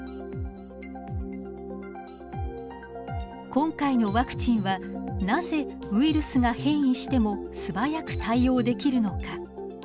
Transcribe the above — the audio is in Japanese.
今回のワクチンはなぜウイルスが変異しても素早く対応できるのか。